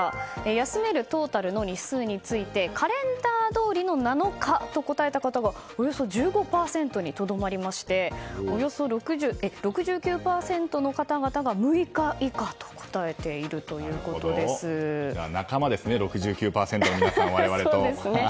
休めるトータルの日数についてカレンダーどおりの７日と答えた方がおよそ１５％にとどまりましておよそ６９％の方々が６日以下と仲間ですね、６９％の皆さんはそうですね。